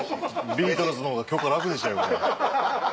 ビートルズの方が許可楽でしたよね。